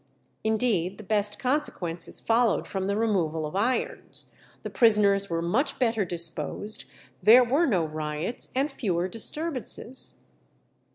Indeed the best consequences followed from the removal of irons. The prisoners were much better disposed; there were no riots, and fewer disturbances.